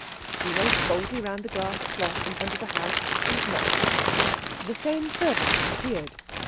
He went boldly round the grass plot in front of the house and knocked. The same servant appeared.